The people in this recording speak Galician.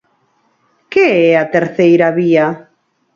Que é a terceira vía?